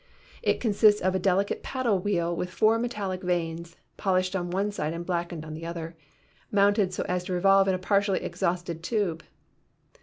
It consists of a delicate paddle wheel with four metallic vanes, polished on one side and blackened on the other, mounted so as to revolve in a partially exhausted tube.